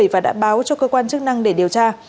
và đã báo cho cơ quan chức năng để điều tra